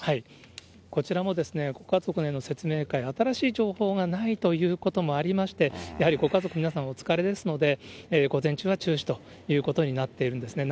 こちらも、ご家族への説明会、新しい情報がないということもありまして、やはりご家族の皆さん、お疲れですので、午前中は中止ということになっているんですね。